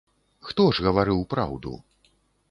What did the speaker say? Хто ж гаварыў праўду?